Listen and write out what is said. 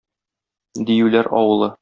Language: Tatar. Диюләр авылы.